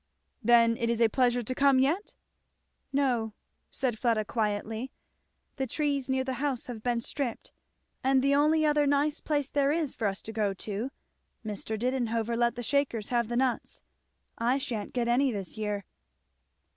"Then it is a pleasure to come yet?" "No," said Fleda quietly, "the trees near the house have been stripped; and the only other nice place there is for us to go to, Mr. Didenhover let the Shakers have the nuts. I sha'n't get any this year."